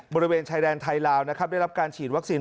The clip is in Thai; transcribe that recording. บริเวณชายแดนไทยลาวนะครับได้รับการฉีดวัคซีน